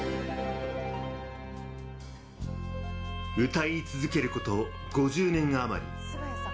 歌い続けること５０年余り。